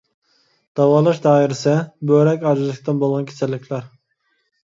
داۋالاش دائىرىسى: بۆرەك ئاجىزلىقتىن بولغان كېسەللىكلەر.